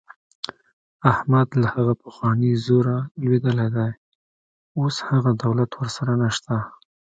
احمد له هغه پخواني زوره لوېدلی دی. اوس هغه دولت ورسره نشته.